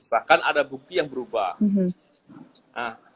bahkan ada bukti yang berubah